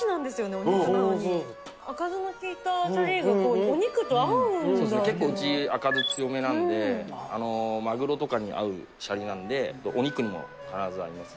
お肉なのに赤酢のきいたシャリがお肉と合うんだって結構うち赤酢強めなんでまぐろとかに合うシャリなんでお肉にも必ず合います